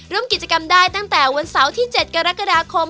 ร่วมกิจกรรมได้ตั้งแต่วันเสาร์ที่๗กรกฎาคม